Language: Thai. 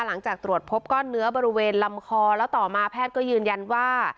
หลังจากตรวจพบก้อนเนื้อบริเวณลำคอแล้วต่อมาแพทย์ก็ยืนยันว่า